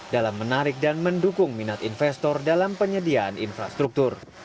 dalam menarik dan mendukung minat investor dalam penyediaan infrastruktur